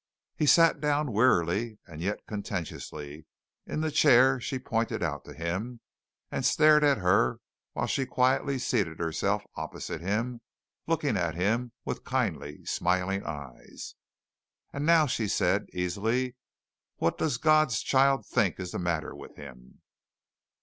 He sat down wearily and yet contentiously in the chair she pointed out to him and stared at her while she quietly seated herself opposite him looking at him with kindly, smiling eyes. "And now," she said easily, "what does God's child think is the matter with him?"